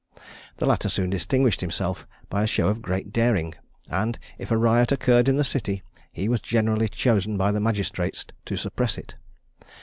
The latter soon distinguished himself by a show of great daring; and if a riot occurred in the city, he was generally chosen by the magistrates to suppress it.